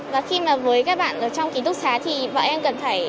và khi mà với các bạn ở trong ký túc xá thì bọn em cần phải